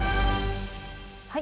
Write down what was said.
はい。